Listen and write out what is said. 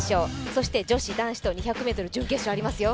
そして女子、男子と２００ｍ、準決勝ありますよ。